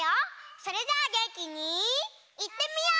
それじゃあげんきにいってみよう！